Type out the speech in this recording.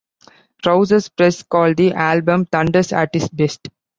Trouser Press called the album Thunders at his best.